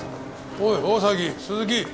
おい大崎鈴木。